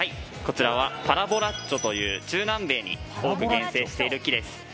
こちらはパラボラッチョという中南米に多く原生している木です。